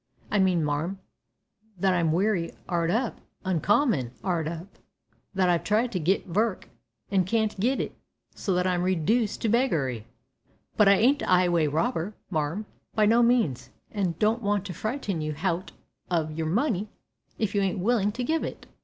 "I mean, marm, that I'm wery 'ard up. Uncommon 'ard up; that I've tried to git vork an' can't git it, so that I'm redooced to beggary. But, I ain't a 'ighway robber, marm, by no means, an' don't want to frighten you hout o' your money if you ain't willin' to give it."